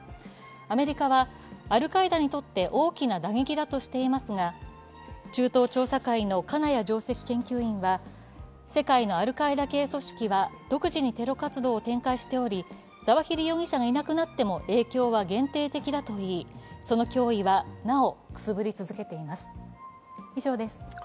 アメリカはアルカイダにとって大きな打撃だとしていますが中東調査会の金谷上席研究員は世界のアルカイダ系組織は独自にテロ活動を展開しておりザワヒリ容疑者がいなくなっても影響は限定的だといい、その脅威はなおくすぶり続けています。